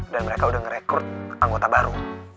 dan mereka udah ngerekrut anggota baru